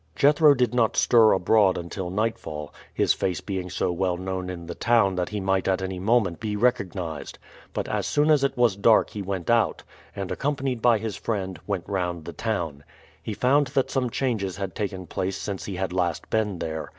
Jethro did not stir abroad until nightfall, his face being so well known in the town that he might at any moment be recognized. But as soon as it was dark he went out, and, accompanied by his friend, went round the town. He found that some changes had taken place since he had last been there.